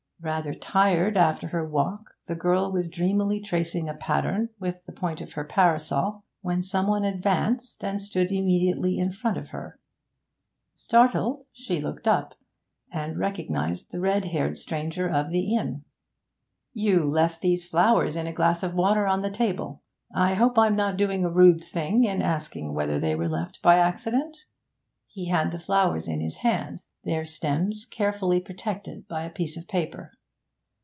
Rather tired after her walk, the girl was dreamily tracing a pattern with the point of her parasol, when some one advanced and stood immediately in front of her. Startled, she looked up, and recognised the red haired stranger of the inn. 'You left these flowers in a glass of water on the table. I hope I'm not doing a rude thing in asking whether they were left by accident.' He had the flowers in his hand, their stems carefully protected by a piece of paper.